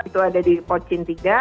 itu ada di pocin tiga